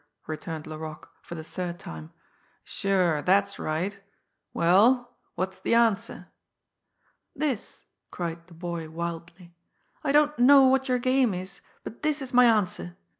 returned Laroque, for the third time. "Sure that's right! Well, what's the answer?" "This!" cried the boy wildly. "I don't know what your game is, but this is my answer!